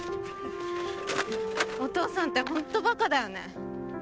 お父さんってホントバカだよね